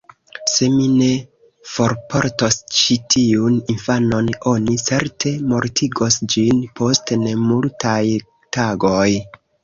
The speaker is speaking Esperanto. Se mi ne forportos ĉi tiun infanon, oni certe mortigos ĝin post nemultaj tagoj.